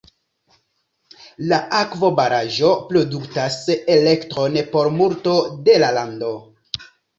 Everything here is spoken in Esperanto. La akvobaraĵo produktas elektron por multo de la lando.